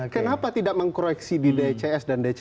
kenapa tidak mengkoreksi di dcs dan dc